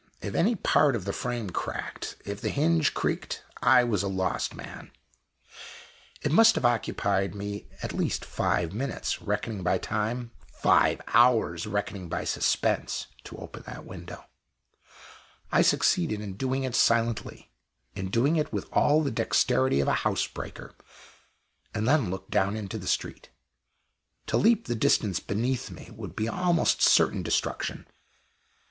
If any part of the frame cracked, if the hinge creaked, I was a lost man! It must have occupied me at least five minutes, reckoning by time five hours, reckoning by suspense to open that window. I succeeded in doing it silently in doing it with all the dexterity of a house breaker and then looked down into the street. To leap the distance beneath me would be almost certain destruction!